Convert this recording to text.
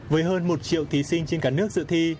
với hơn một triệu thí sinh trên cả nước dự thi